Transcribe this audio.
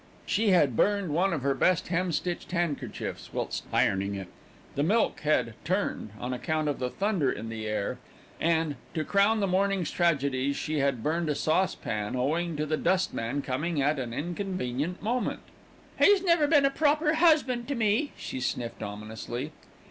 She had burned one of her best hem stitched handkerchiefs whilst ironing it, the milk had "turned" on account of the thunder in the air and, to crown the morning's tragedies, she had burned a saucepan owing to the dustman coming at an inconvenient moment. "He's never been a proper husband to me," she sniffed ominously.